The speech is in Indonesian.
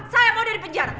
saya mau dari penjara